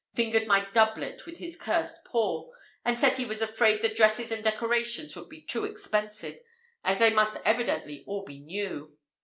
fingered my doublet with his cursed paw, and said he was afraid the dresses and decorations would be too expensive, as they must evidently all be new.